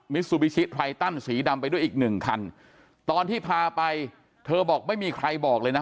ซูบิชิไทตันสีดำไปด้วยอีกหนึ่งคันตอนที่พาไปเธอบอกไม่มีใครบอกเลยนะ